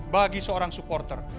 bagi seorang supporter